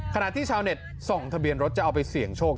ขณะที่ชาวเน็ตส่องทะเบียนรถจะเอาไปเสี่ยงโชค